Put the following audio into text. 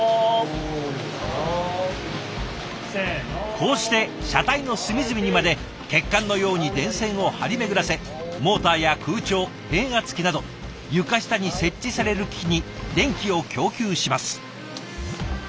こうして車体の隅々にまで血管のように電線を張り巡らせモーターや空調変圧器など床下に設置される機器に電気を供給します。